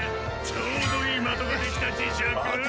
ちょうどいい的ができたジシャク。